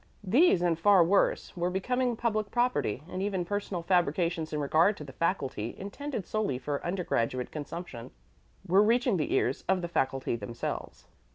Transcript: These, and far worse, were becoming public property; and even personal fabrications in regard to the faculty, intended solely for undergraduate consumption, were reaching the ears of the faculty themselves.